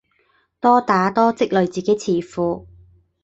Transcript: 多打多積累自己詞庫